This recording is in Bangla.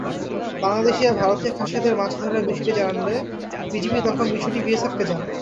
বাংলাদেশিরা ভারতীয় খাসিয়াদের মাছ ধরার বিষয়টি জানালে বিজিবি তখন বিষয়টি বিএসএফকে জানায়।